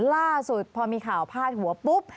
ล่าสุดพอมีข่าวพาดหัวปุ๊บ